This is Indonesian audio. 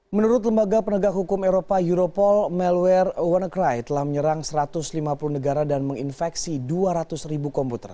menurut lembaga penegak hukum eropa europol malware wannacry telah menyerang satu ratus lima puluh negara dan menginfeksi dua ratus ribu komputer